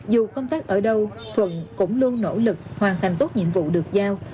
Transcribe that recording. dù công tác ở đâu thuận cũng luôn nỗ lực hoàn thành tốt nhiệm vụ được giao